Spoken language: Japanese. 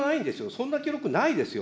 そんな記録ないですよ。